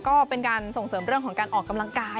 ก็เป็นการส่งเสริมเรื่องของการออกกำลังกาย